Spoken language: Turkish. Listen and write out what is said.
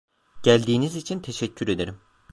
Geldiğiniz için teşekkür ederim.